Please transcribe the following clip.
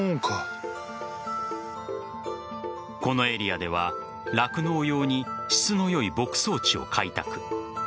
このエリアでは、酪農用に質の良い牧草地を開拓。